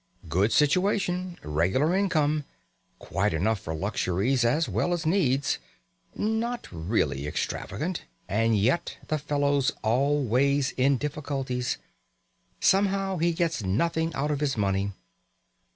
Good situation. Regular income. Quite enough for luxuries as well as needs. Not really extravagant. And yet the fellow's always in difficulties. Somehow he gets nothing out of his money.